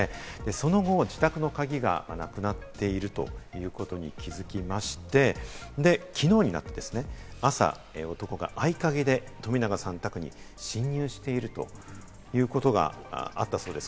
その後、自宅の鍵がなくなっているということに気づきまして、きのうになって、朝、男が合鍵で冨永さん宅に侵入しているということがあったそうです。